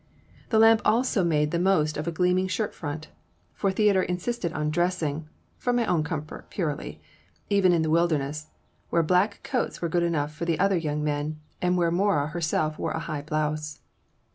The lamp also made the most of a gleaming shirt front; for Theodore insisted on dressing ("for my own comfort, purely,") even in the wilderness, where black coats were good enough for the other young men, and where Mora herself wore a high blouse.